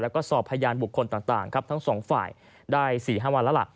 แล้วก็สอบพยานบุคคลต่างครับทั้งสองฝ่ายได้๔๕วันแล้วล่ะ